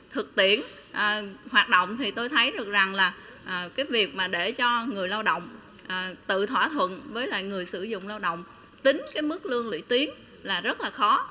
thực tiễn hoạt động thì tôi thấy được rằng là cái việc mà để cho người lao động tự thỏa thuận với lại người sử dụng lao động tính cái mức lương lũy tiến là rất là khó